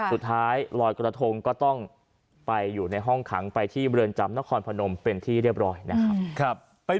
สุดท้ายลอยกระทงก็ต้องไปอยู่ในห้องขังไปที่เรือนจำนครพนมเป็นที่เรียบร้อยนะครับ